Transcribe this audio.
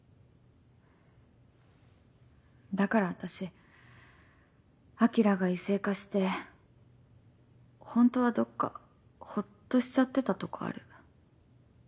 だからあたし晶が異性化してホントはどっかほっとしちゃってたとこある。